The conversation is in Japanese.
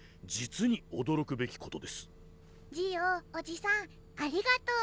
ジオおじさんありがとう。